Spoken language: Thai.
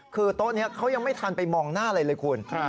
คือโต๊ะนี้เขายังไม่ทันไปมองหน้าอะไรเลยคุณ